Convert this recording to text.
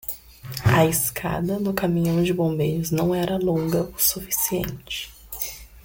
A escada do caminhão de bombeiros não era longa o suficiente.